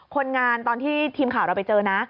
คนงานตอนที่ทีมข่าวเราไปเจอนะ